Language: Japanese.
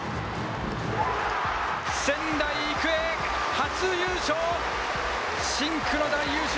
仙台育英、初優勝。